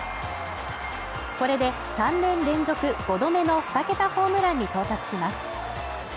これで３年連続５度目の２桁ホームランに到達します。